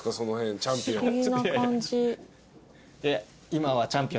チャンピオン。